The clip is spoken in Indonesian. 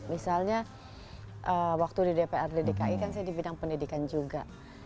misalnya waktu di dprd dki kan saya di bidang pendidikan juga